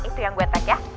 itu yang gue tag ya